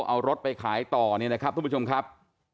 เอารถไปขายต่อเนี่ยนะครับทุกผู้ชมครับ